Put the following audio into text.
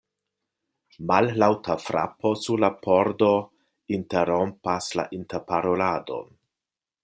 Mallaŭta frapo sur la pordo interrompas la interparoladon.